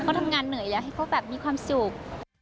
แล้วก็ทำงานเหนื่อยแล้วให้เขาแบบมีความสุข